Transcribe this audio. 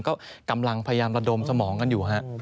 ก็กำลังพยายามระดมสมองกันอยู่ฮะ